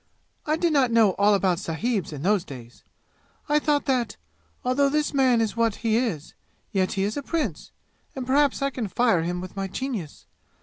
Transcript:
"I did not know all about sahibs in those days. I thought that, although this man is what he is, yet he is a prince, and perhaps I can fire him with my genius.